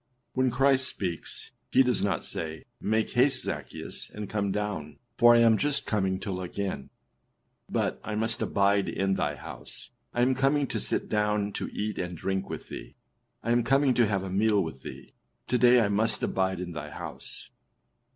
When Christ speaks, he does not say, âMake haste, Zaccheus, and come down, for I am just coming to look in;â but âI must abide in thy house; I am coming to sit down to eat and drink with thee; I am coming to have a meal with thee; to day I must abide in thy house.